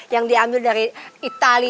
yang diambil dari itali